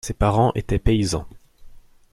Ses parents étaient paysans.